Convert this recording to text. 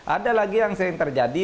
ada lagi yang sering terjadi